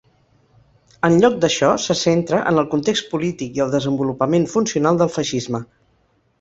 En lloc d'això, se centra en el context polític i el desenvolupament funcional del feixisme.